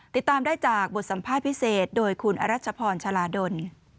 ติดตามได้จากบทสัมภาษณ์พิเศษโดยคุณอรัชพรชาลาดล